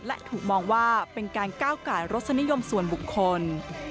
และถูกมองว่าเป็นการก้าวไก่รสนิยมส่วนบุคคล